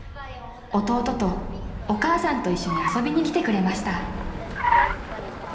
［弟とお母さんと一緒に遊びに来てくれました］